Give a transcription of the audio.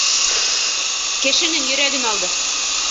Кешенең йөрәген алды!..